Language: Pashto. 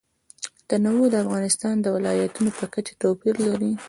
تنوع د افغانستان د ولایاتو په کچه توپیر لري.